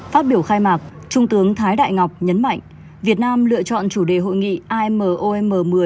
phát biểu khai mạc trung tướng thái đại ngọc nhấn mạnh việt nam lựa chọn chủ đề hội nghị amom một mươi